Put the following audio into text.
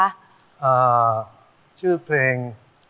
อ่าชื่อเพลง